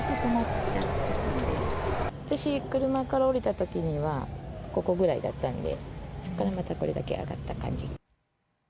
私、車から降りたときには、ここぐらいだったんでそこからまた、これだけ上がった感じ。